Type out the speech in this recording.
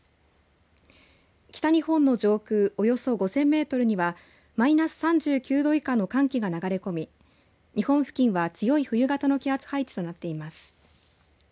北日本の上空およそ５０００メートルにはマイナス３９度以下の寒気が流れ込み日本付近は、強い冬型の気圧配置となっています。